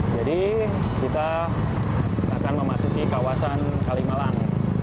jadi kita akan memasuki kawasan kalimalang